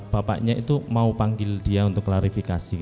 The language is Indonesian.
bapaknya itu mau panggil dia untuk klarifikasi